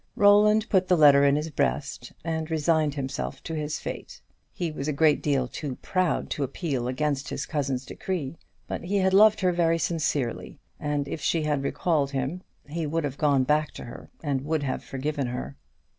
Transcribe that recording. Roland put the letter in his breast, and resigned himself to his fate. He was a great deal too proud to appeal against his cousin's decree; but he had loved her very sincerely, and if she had recalled him, he would have gone back to her and would have forgiven her.